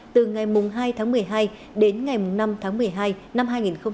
từ ngày hai tháng một mươi hai đến ngày năm tháng một mươi hai năm hai nghìn hai mươi